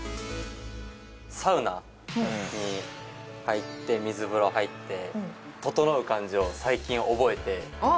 サウナに入って水風呂入ってととのう感じを最近覚えてああ